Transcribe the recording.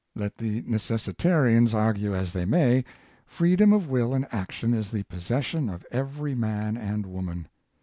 Let the necessitarians argue as they may, freedom of will and action is the possession of every man and woman.